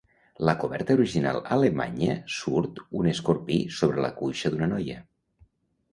La coberta original alemanya surt un escorpí sobre la cuixa d'una noia.